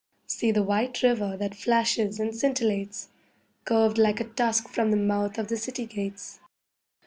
See the white river that flashes and scintillates, Curved like a tusk from the mouth of the city gates.